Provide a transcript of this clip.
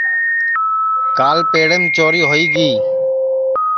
کال پیڑیم چوری ہوئی گی